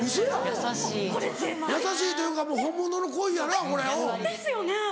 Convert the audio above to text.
優しいというかもう本物の恋やなこれ。ですよね！